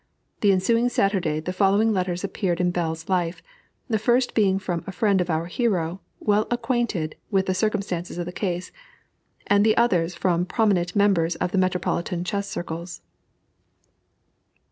The ensuing Saturday the following letters appeared in Bell's Life, the first being from a friend of our hero, well acquainted with the circumstances of the case; and the others from prominent members of the metropolitan chess circles.